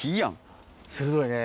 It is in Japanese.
鋭いね。